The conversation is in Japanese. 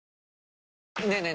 ねえねえ